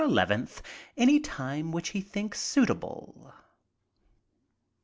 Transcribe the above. II, any time which he thinks suitable."